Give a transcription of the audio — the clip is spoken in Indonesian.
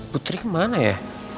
putri kemana ya